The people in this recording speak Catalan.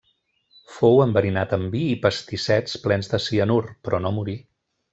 Fou enverinat amb vi i pastissets plens de cianur, però no morí.